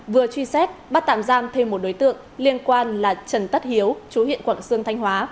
vừa truy xét bắt tạm giam thêm một đối tượng liên quan là trần tất hiếu chú huyện quảng sương thanh hóa